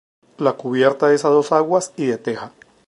La cubierta es a dos aguas y de teja.